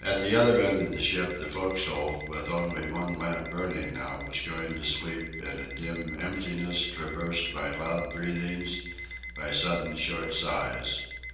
At the other end of the ship the forecastle, with only one lamp burning now, was going to sleep in a dim emptiness traversed by loud breathings, by sudden short sighs.